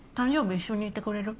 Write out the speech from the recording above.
一緒にいてくれる？